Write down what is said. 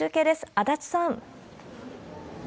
足立さん。